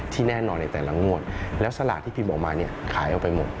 แน่นอนในแต่ละงวดแล้วสลากที่พิมพ์ออกมาเนี่ยขายออกไปหมด